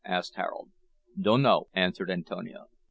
asked Harold. "Dunno," answered Antonio.